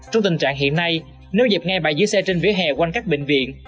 trong tình trạng hiện nay nếu dẹp ngay bãi giữ xe trên vỉa hè quanh các bệnh viện